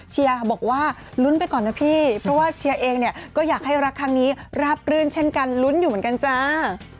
บอกว่าลุ้นไปก่อนนะพี่เพราะว่าเชียร์เองเนี่ยก็อยากให้รักครั้งนี้ราบรื่นเช่นกันลุ้นอยู่เหมือนกันจ้า